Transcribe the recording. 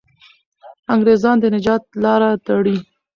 انګریزان د نجات لاره تړي.